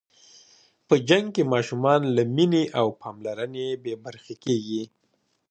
په جنګ کې ماشومان له مینې او پاملرنې بې برخې کېږي.